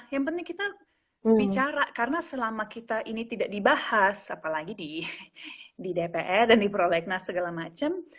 yang penting kita bicara karena selama kita ini tidak dibahas apalagi di dpr dan di prolegnas segala macam